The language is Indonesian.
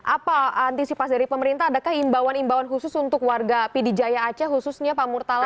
apa antisipasi dari pemerintah adakah imbauan imbauan khusus untuk warga pd jaya aceh khususnya pak murtala